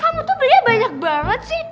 kamu tuh belinya banyak banget sih